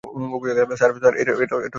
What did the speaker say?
Sir, এটা ভিকটিমের phone.